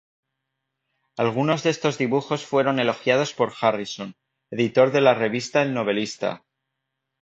Algunos de estos dibujos fueron elogiados por Harrison, editor de la revista "El Novelista".